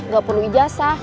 gak perlu ijazah